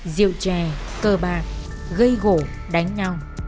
diệu trè cơ bạc gây gỗ đánh nhau